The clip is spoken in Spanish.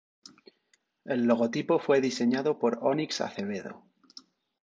El logotipo fue diseñado por Ónix Acevedo.